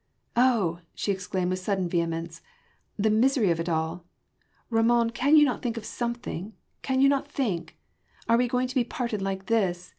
Oh!" she exclaimed with sudden vehemence, "the misery of it all! ... Ramon, cannot you think of something? cannot you think? Are we going to be parted like this?